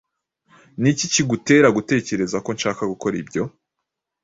Niki kigutera gutekereza ko nshaka gukora ibyo?